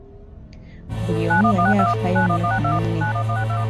Buli omu yali afaayo nnyo ku munne.